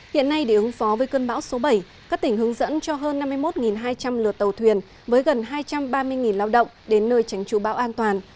hiện nay để ứng phó với cơn bão số bảy các tỉnh hướng dẫn cho hơn năm mươi một hai trăm linh lượt tàu thuyền với gần hai trăm ba mươi lao động đến nơi tránh trụ bão an toàn